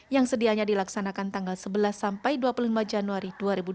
yang sedianya dilaksanakan tanggal sebelas sampai dua puluh lima januari dua ribu dua puluh